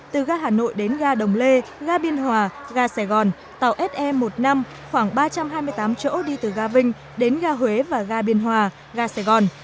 từ ga hà nội đến ga đồng lê ga biên hòa ga sài gòn tàu se một mươi năm khoảng ba trăm hai mươi tám chỗ đi từ ga vinh đến ga huế và ga biên hòa ga sài gòn